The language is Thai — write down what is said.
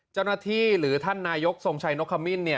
เจ้าหน้าที่หรือท่านนายกทรงชัยนกขมิ้น